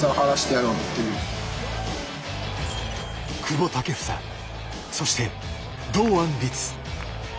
久保建英、そして堂安律。